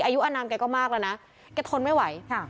อายุอนามแกก็มากแล้วนะแกทนไม่ไหว